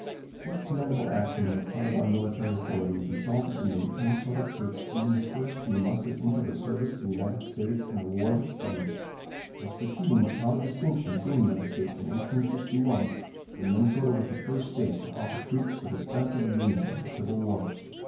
This commendable action on the part of our military authorities resulted in the Minnesota troops being the first to be mustered into the service of the United States in the war with Spain, thus repeating the proud distinction gained by the state in 1861, when Minnesota was the first state to offer troops for the defense of the Union in the Civil War.